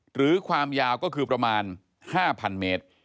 หรือความยาวก็คือประมาณ๕๐๐เมตร